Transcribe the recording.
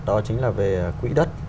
đó chính là về quỹ đất